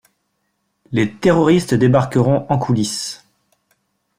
Les terroristes débarqueront en coulisses.